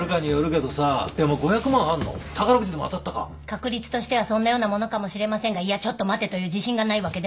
確率としてはそんなようなものかもしれませんが「いや。ちょっと待て」という自信がないわけでもないわけで。